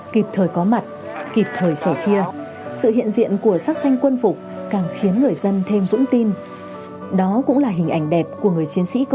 kịp thời có mặt kịp thời sẻ chia sự hiện diện của sát sanh quân phục càng khiến người dân thêm vững tin đó là một lý do như thế nào